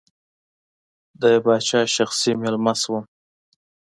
د پاچا شخصي مېلمه شوم.